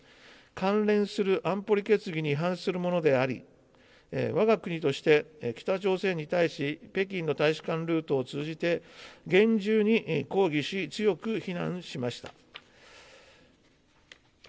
関連する安保理決議に違反するものであり、わが国として、北朝鮮に対し、北京の大使館ルートを通じて、厳重に抗議し、強く非難しました。